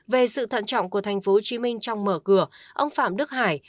về sự thận trọng của tp hcm trong mở cửa ông phạm đức hải